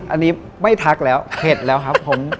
อันนี้ไม่ทักแล้วเผ็ดแล้วครับผม